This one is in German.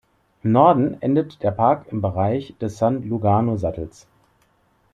Im Norden endet der Park im Bereich des San-Lugano-Sattels.